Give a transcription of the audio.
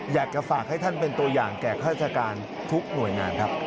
อยากจะฝากให้ท่านเป็นตัวอย่างแก่ข้าราชการทุกหน่วยงานครับ